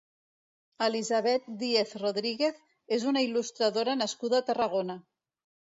Elisabet Díez Rodríguez és una il·lustradora nascuda a Tarragona.